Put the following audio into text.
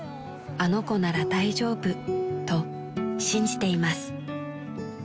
［あの子なら大丈夫と信じています］